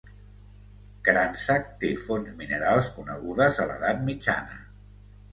Cransac té fonts minerals, conegudes a l'edat mitjana.